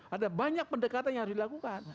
ada banyak pendekatan yang harus dilakukan